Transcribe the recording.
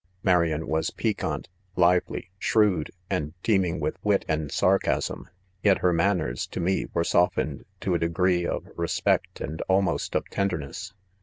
4 Marian was picruante, lively, shrewd, and teeming with wit, and . sarcasm 5. yet her man ners r to me, were softened, to .a degree of res pect and almost of tenderness.